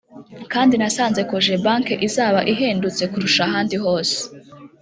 kandi nasanze Cogebanque izaba ihendutse kurusha ahandi hose